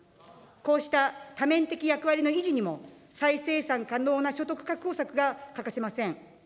こうした多面的役割の維持にも再生産可能な所得確保策が欠かせません。